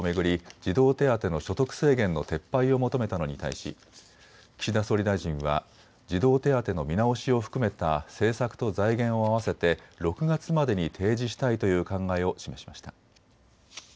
児童手当の所得制限の撤廃を求めたのに対し、岸田総理大臣は児童手当の見直しを含めた政策と財源を合わせて６月までに提示したいという考えを示しました。